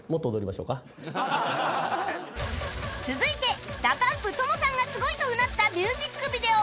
続いて ＤＡＰＵＭＰＴＯＭＯ さんがすごいとうなったミュージックビデオ